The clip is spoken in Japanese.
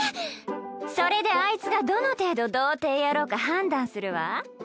それであいつがどの程度童貞野郎か判断するわ。